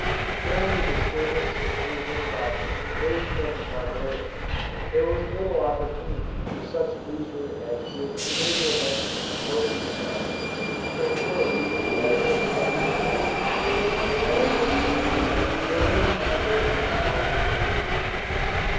During the disturbance occasioned by the invasion of the barbarians there was little opportunity for such leisure as would enable men to devote themselves with tranquillity to medical study and writing. Medical traditions were mainly preserved in the monasteries.